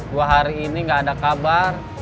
dua hari ini nggak ada kabar